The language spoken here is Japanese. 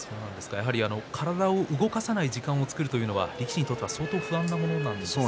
体を動かさない時間を作るということは力士にとっては相当不安なんでしょうか。